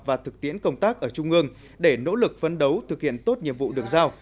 và thực tiễn công tác ở trung ương để nỗ lực phấn đấu thực hiện tốt nhiệm vụ được giao